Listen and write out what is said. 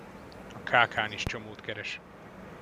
A kákán is csomót keres.